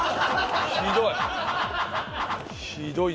ひどい。